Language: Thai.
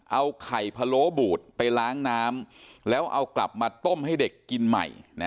เอาไข่พะโล้บูดไปล้างน้ำแล้วเอากลับมาต้มให้เด็กกินใหม่